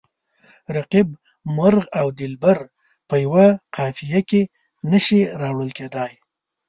رقیب، مرغ او دلبر په یوه قافیه کې نه شي راوړل کیدلای.